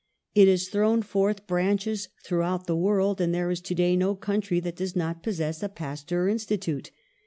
It has thrown forth branches throughout the world, and there is today no country that does not pos sess a Pasteur Institute.